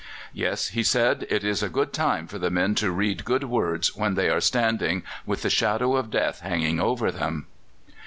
"Yes," he said, "it is a good time for the men to read good words when they are standing with the shadow of death hanging over them."